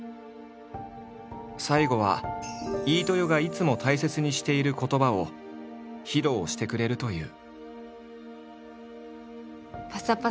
最後は飯豊がいつも大切にしている言葉を披露してくれるという。